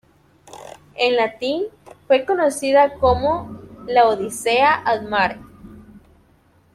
En latín fue conocida como "Laodicea ad Mare".